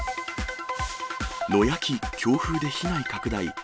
野焼き、強風で被害拡大。